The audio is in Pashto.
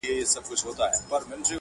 • او که دواړي سترګي بندي وي څه ښه دي -